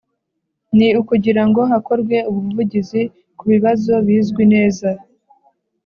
Ni ukugira ngo hakorwe ubuvugizi ku bibazo bizwi neza